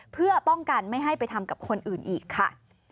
เพื่อป้องกันไม่ให้ไปทำกับคนอื่นอีกค่ะ